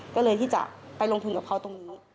ก็เลยที่จะไปลงทุนกับเขาตรงนี้